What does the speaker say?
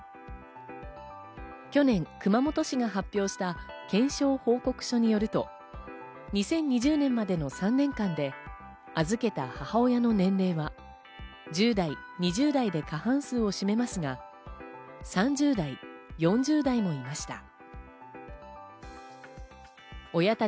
去年、熊本市が発表した検証報告書によると、２０２０年までの３年間で預けた母親の年齢は１０代、２０代で過半数を占めますが、３０代、４０代もいました。